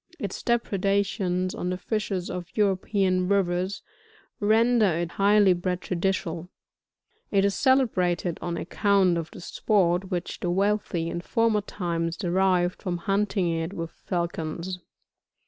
Its depredations on the fishes of European rivers, render it highly prejudicial ; it is celebrated on account of the sport which the wealthy in former times, derived from hunting it with fidcons.